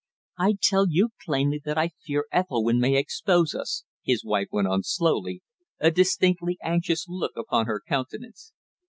"I tell you plainly that I fear Ethelwynn may expose us," his wife went on slowly, a distinctly anxious look upon her countenance.